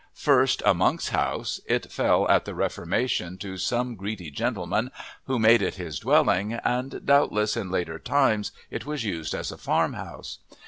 First a monks' house, it fell at the Reformation to some greedy gentleman who made it his dwelling, and doubtless in later times it was used as a farm house.